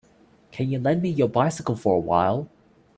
Can you lend me your bicycle for a while.